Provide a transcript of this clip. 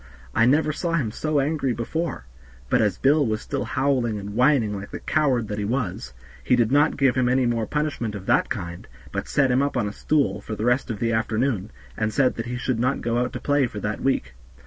I never saw him so angry before; but as Bill was still howling and whining, like the coward that he was, he did not give him any more punishment of that kind, but set him up on a stool for the rest of the afternoon, and said that he should not go out to play for that week.